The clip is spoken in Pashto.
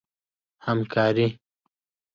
همکاري